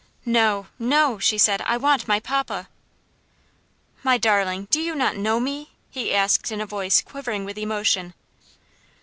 "No, no," she said, "I want my papa." "My darling, do you not know me?" he asked in a voice quivering with emotion.